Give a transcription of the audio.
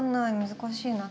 難しいな。